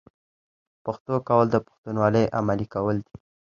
پښتو کول د پښتونولۍ عملي کول دي.